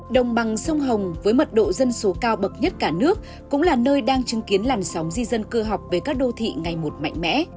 đồng bằng sông hồng với mật độ dân số cao bậc nhất cả nước cũng là nơi đang chứng kiến làn sóng di dân cư học về các đô thị ngày một mạnh mẽ